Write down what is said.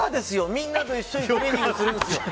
みんなと一緒にトレーニングするんですよ。